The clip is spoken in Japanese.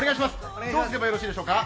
どうすればよろしいでしょうか。